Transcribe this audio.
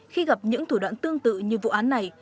khi gặp những thủ đoạn tương tự như vụ án này